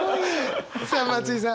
さあ松居さん。